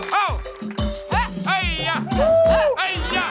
โฮฮะไอ้ยะฮู้ไอ้ยะ